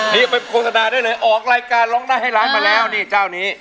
นี่ไปโฆษณาได้เลยออกรายการร้องได้ให้ล้านมาแล้วนี่เจ้านี้